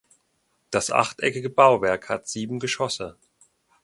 Das achteckige Bauwerk hat sieben Geschosse.